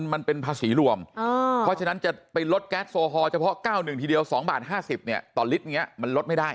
มันเป็นภาษีรวมเพราะฉะนั้นจะไปลดแก๊สโซฮอลเฉพาะ๙๑ทีเดียว๒บาท๕๐เนี่ยต่อลิตรอย่างนี้มันลดไม่ได้